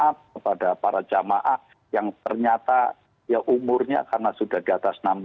dan mohon maaf kepada para jamaah yang ternyata umurnya karena sudah di atas enam puluh lima